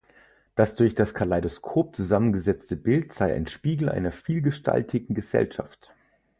Das durch das Kaleidoskop zusammengesetzte Bild sei ein Spiegel einer vielgestaltigen Gesellschaft.